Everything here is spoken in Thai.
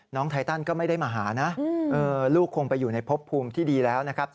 ไทตันก็ไม่ได้มาหานะลูกคงไปอยู่ในพบภูมิที่ดีแล้วนะครับ